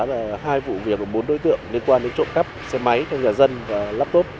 hai vụ việc của bốn đối tượng liên quan đến trộm cắp xe máy nhà dân và laptop